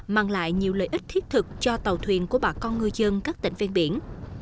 mang lại nhiều lợi ích thiết thực cho tàu thuyền của bà con ngư dân các tỉnh ven biển